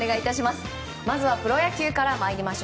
まずはプロ野球から参ります。